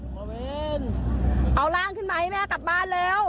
บริเวณเอาร่างขึ้นมาให้แม่กลับบ้านเร็ว